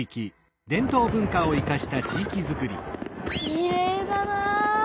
きれいだな！